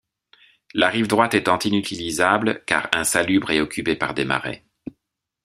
La rive droite étant inutilisable, car insalubre et occupée par des marais.